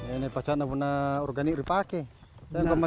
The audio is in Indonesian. ini adalah petani yang sudah digunakan